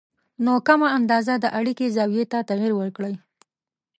نو کمه اندازه د اړیکې زاویې ته تغیر ورکړئ